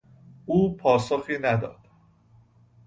او پاسخی نداد.